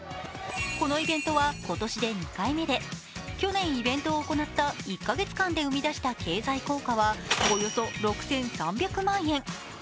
このイベントは今年で２回目で去年、イベントを行った１か月間で生み出した経済効果はおよそ６３００万円。